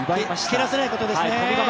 蹴らせないことですね。